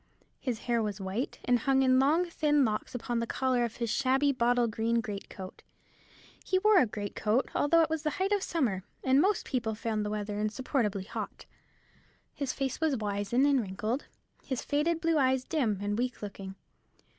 His hair was white, and hung in long thin locks upon the collar of his shabby bottle green great coat. He wore a great coat, although it was the height of summer, and most people found the weather insupportably hot. His face was wizen and wrinkled, his faded blue eyes dim and weak looking.